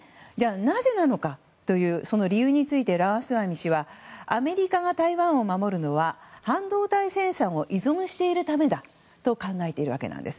なぜなのかという理由についてラマスワミ氏はアメリカが台湾を守るのは半導体生産を依存しているためだと考えているわけなんです。